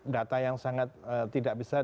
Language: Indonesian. data yang sangat tidak besar